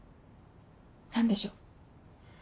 何でしょう？